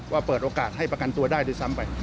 เปิดโอกาสให้ประกันตัวได้ด้วยซ้ำไป